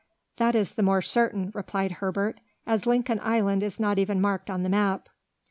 "That is the more certain," replied Herbert, "as Lincoln Island is not even marked on the map."